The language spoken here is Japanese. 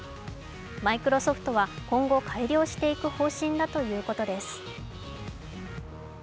マイクロソフトは、今後改良していく方針だということです。